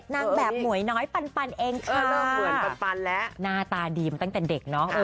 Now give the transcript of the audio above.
นางแบบหมวยน้อยปันเองค่ะน่าตาดีมาตั้งแต่เด็กเนาะ